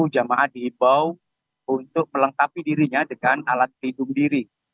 jamaah dihibau untuk melengkapi dirinya dengan alat pelindung diri